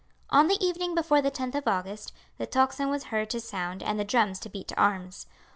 On the evening before the 10th of August the tocsin was heard to sound and the drums to beat to arms.